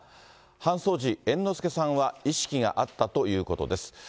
搬送時、猿之助さんは意識があったということです。